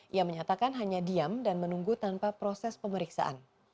ia menyatakan hanya diam dan menunggu tanpa proses pemeriksaan